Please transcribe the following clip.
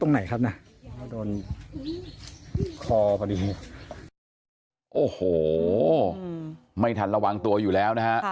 โอ้โหไม่ทันระวังตัวอยู่แล้วนะฮะ